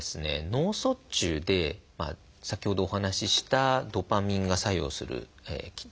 脳卒中で先ほどお話ししたドパミンが作用する線条体ですね